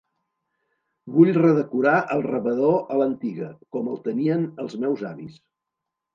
Vull redecorar el rebedor a l'antiga, com el tenien els meus avis.